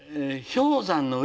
氷山の上。